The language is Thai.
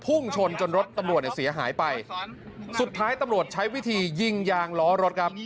พุ่งชนจนรถตำรวจเนี่ยเสียหายไปสุดท้ายตำรวจใช้วิธียิงยางล้อรถครับ